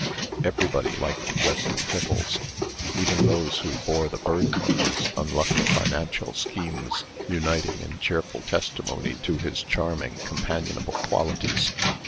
Everybody liked Wesley Tiffles; even those who bore the burden of his unlucky financial schemes uniting in cheerful testimony to his charming, companionable qualities.